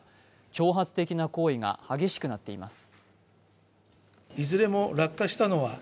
挑発的な行為が激しくなっています。